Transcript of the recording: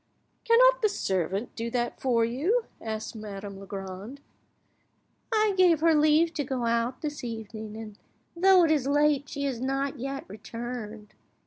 "Cannot your servant do that for you?" asked Madame Legrand. "I gave her leave to go out this evening, and though it is late she has not yet returned.